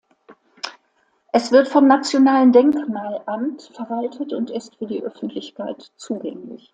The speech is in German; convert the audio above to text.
Es wird vom Nationalen Denkmalamt verwaltet und ist für die Öffentlichkeit zugänglich.